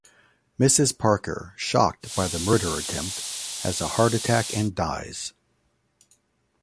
Mrs Parker, shocked by the murder attempt, has a heart attack and dies.